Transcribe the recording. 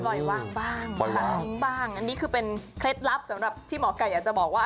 ปล่อยว่างบ้างอันนี้คือเป็นเคล็ดลับสำหรับที่หมอกัยจะบอกว่า